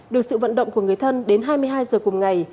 được sự vận động của người thân đến hai mươi hai giờ cùng ngày